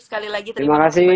sekali lagi terima kasih banyak